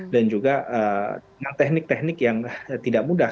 dan juga teknik teknik yang tidak mudah